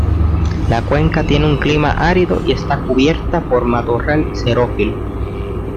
La cuenca tiene un clima árido, y está cubierta por matorral xerófilo.